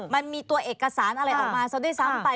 มันมีตัวเอกสารอะไรออกมาซะด้วยซ้ำไป